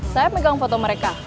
sahib megang foto mereka